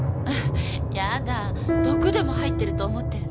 やだ毒でも入ってると思ってるの？